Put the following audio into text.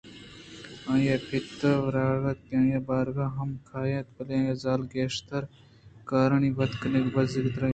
آئی ءِ پت وداریگ اَت کہ آئی ءِباریگ ہم کیت بلئے آئیءِ زال گیشتر وتی کارانی وت کنگ ءَ بزّگ تر اَت